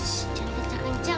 shhh jangan kecak kecak